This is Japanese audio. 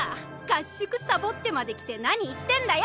合宿サボってまで来て何言ってんだよ！